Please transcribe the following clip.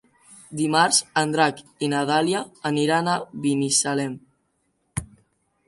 Dimarts en Drac i na Dàlia aniran a Binissalem.